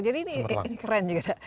jadi ini keren juga